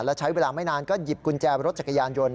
และใช้เวลาไม่นานก็หยิบกุญแจรถจักรยานยนต์